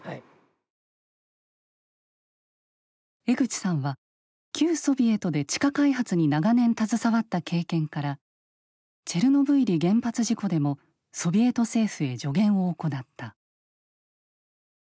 江口さんは旧ソビエトで地下開発に長年携わった経験からチェルノブイリ原発事故でもソビエト政府へ助言を行った。